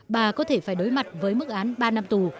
bà có thể phải đối mặt với mức án ba năm tù